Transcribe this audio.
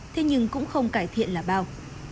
thế nhưng cũng không cải thiện là bao